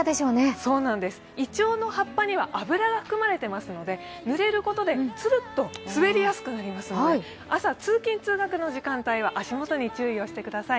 いちょうの葉っぱには油が含まれていますので濡れることで、つるっと滑りやすくなりますので、朝、通勤・通学の時間帯は足元に注意してください。